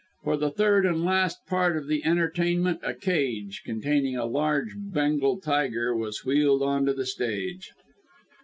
For the third and last part of the entertainment, a cage, containing a large Bengal tiger, was wheeled on to the stage.